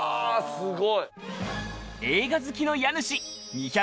すごい。